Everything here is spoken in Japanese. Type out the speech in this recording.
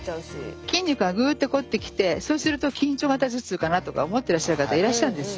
筋肉がぐってこってきてそうすると緊張型頭痛かなとか思ってらっしゃる方いらっしゃるんですよ。